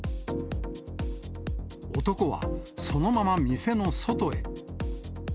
男はそのまま店の外へ。